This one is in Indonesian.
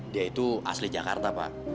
dia itu asli jakarta pak